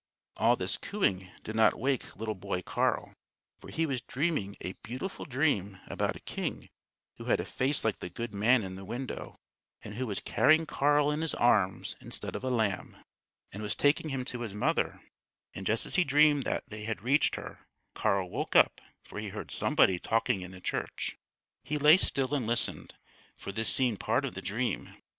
All this cooing did not wake little boy Carl, for he was dreaming a beautiful dream about a king who had a face like the Good Man in the window, and who was carrying Carl in His arms instead of a lamb, and was taking him to his mother; and just as he dreamed that they had reached her, Carl woke up, for he heard somebody talking in the church. He lay still and listened, for this seemed part of the dream.